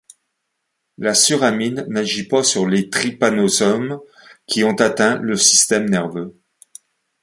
La suramine n'agit pas sur les trypanosomes qui ont atteint le système nerveux.